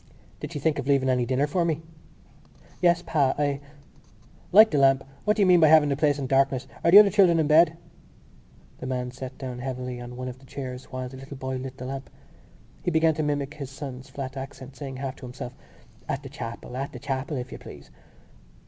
Did she think of leaving any dinner for me?" "Yes, pa. I——" "Light the lamp. What do you mean by having the place in darkness? Are the other children in bed?" The man sat down heavily on one of the chairs while the little boy lit the lamp. He began to mimic his son's flat accent, saying half to himself: _"At the chapel. At the chapel, if you please!"